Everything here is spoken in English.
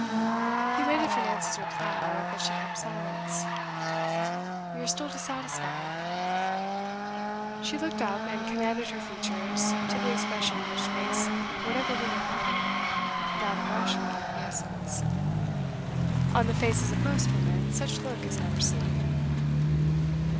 He waited for Nancy's reply, but she kept silence. 'You are still dissatisfied?' She looked up, and commanded her features to the expression which makes whatever woman lovely that of rational acquiescence. On the faces of most women such look is never seen.